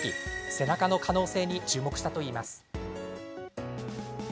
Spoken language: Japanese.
背中の可能性に注目したといいます。